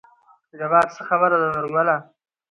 جبار : څه خبره ده نورګله